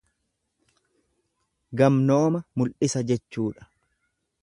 Gamnooma mul'isa jechuudha.